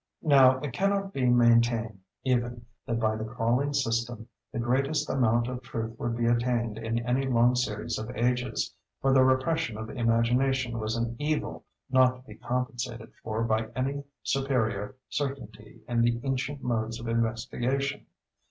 Now, it cannot be maintained, even, that by the crawling system the greatest amount of truth would be attained in any long series of ages, for the repression of imagination was an evil not to be compensated for by any superior certainty in the ancient modes of investigation.